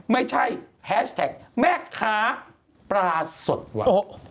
ไม่ใช่แฮชแท็กแม่ค้าปลาสดวะ